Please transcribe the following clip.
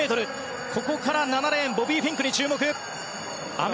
ここから７レーンボビー・フィンクに注目。